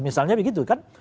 misalnya begitu kan